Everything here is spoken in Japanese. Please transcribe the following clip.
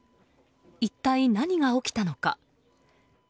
一体、何が起きたのか。